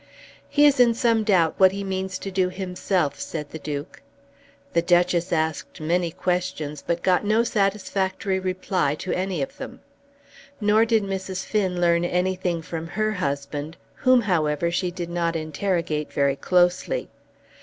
"He is in some doubt what he means to do himself," said the Duke. The Duchess asked many questions, but got no satisfactory reply to any of them. Nor did Mrs. Finn learn anything from her husband, whom, however, she did not interrogate very closely.